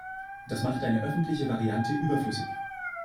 Das macht eine öffentliche Variante überflüssig.